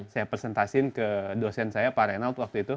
saya presentasiin ke dosen saya pak reynaud waktu itu